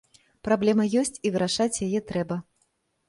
Праблема ёсць, і вырашаць яе трэба.